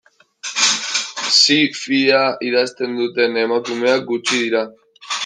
Zi-fia idazten duten emakumeak gutxi dira.